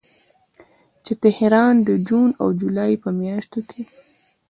چې تهران د جون او جولای په میاشتو کې